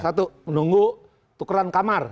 satu menunggu tukeran kamar